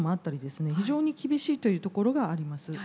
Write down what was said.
非常に厳しいというところがあります。